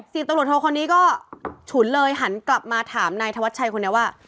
สิบตำรวจโทคนนี้ก็ฉุนเลยหันกลับมาถามนายธวัชชัยคนนี้ว่า